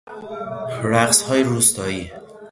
رقصهای روستایی